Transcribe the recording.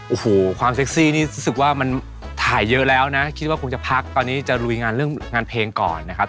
โอ้โหความเซ็กซี่นี่รู้สึกว่ามันถ่ายเยอะแล้วนะคิดว่าคงจะพักตอนนี้จะลุยงานเรื่องงานเพลงก่อนนะครับ